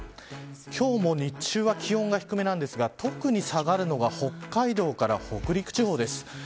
今日も日中は気温が低めなんですが特に下がるのが北海道から北陸地方です。